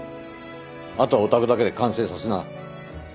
あとはお宅だけで完成させな。